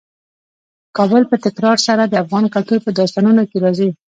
کابل په تکرار سره د افغان کلتور په داستانونو کې راځي.